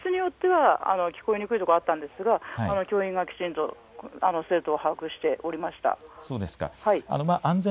ちょっと教室によっては聞こえにくいところもあったんですが教員がきちんと生徒を把握しておりました。